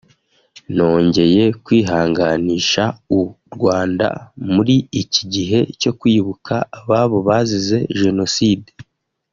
“Nongeye kwihanganisha u Rwanda muri iki gihe cyo kwibuka ababo bazize Jenoside